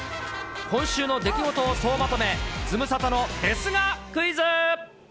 今週の出来事を総まとめ、ズムサタのですがクイズ。